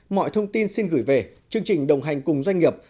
mọi thông tin xin gửi về chương trình đồng hành cùng doanh nghiệp